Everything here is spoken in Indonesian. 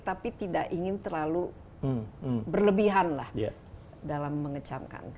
tapi tidak ingin terlalu berlebihan lah dalam mengecamkan